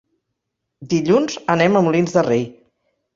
Dilluns anem a Molins de Rei.